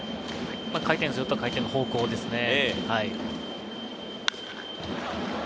回転数と回転の方向ですね。